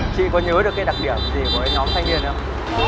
chị có nhớ được cái đặc điểm gì của nhóm thanh niên đấy không